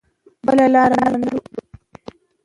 بله لاره نه لرو.